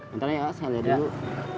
nanti ya pak saya lihat dulu